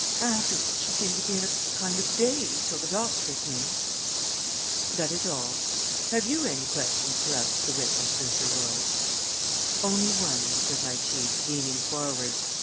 Afterwards, she seemed to be in a kind of daze till the doctor came." "That is all. Have you any questions to ask the witness, Mr. Royce?" "Only one," said my chief, leaning forward.